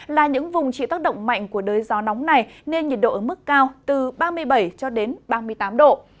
là những vùng trị tác động mạnh của đới gió nóng này nên nhiệt độ ở mức cao từ ba mươi bảy ba mươi tám độ